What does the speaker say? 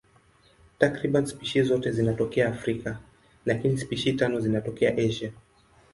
Takriban spishi zote zinatokea Afrika, lakini spishi tano zinatokea Asia.